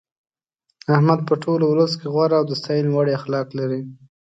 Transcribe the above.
احمد په ټول ولس کې غوره او د ستاینې وړ اخلاق لري.